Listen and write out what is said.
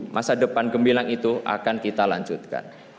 masa depan gembilang itu akan kita lanjutkan